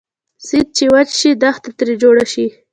سیند چې وچ شي دښته تري جوړه شي